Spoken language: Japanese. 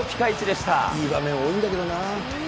いい場面多いんだけどな。